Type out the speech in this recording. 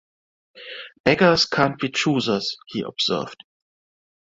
"Beggars can't be choosers," he observed.